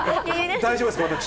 大丈夫ですか、私？